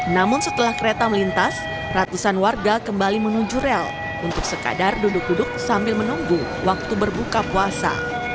namun setelah kereta melintas ratusan warga kembali menuju rel untuk sekadar duduk duduk sambil menunggu waktu berbuka puasa